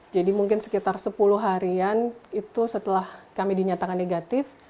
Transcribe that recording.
jadi mungkin sekitar sepuluh harian itu setelah kami dinyatakan negatif